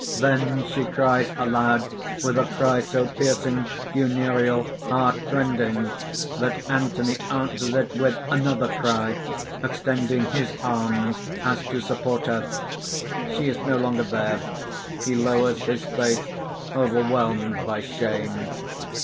Then she cries aloud with a cry so piercing, funereal, heart rending, that Anthony answers it with another cry, extending his arms as to support her._ _She is no longer there. He lowers his face, overwhelmed by shame.